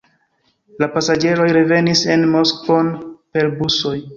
La pasaĝeroj revenis en Moskvon per busoj.